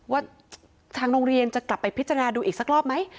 ว่าทางโรงเรียนจะกลับไปพิจารณาดูอีกสักรอบไหม